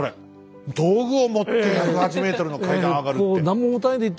道具を持って１０８ｍの階段上がるって！